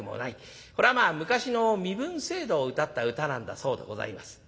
これはまあ昔の身分制度をうたった歌なんだそうでございます。